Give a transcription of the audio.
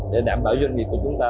để đảm bảo doanh nghiệp của chúng ta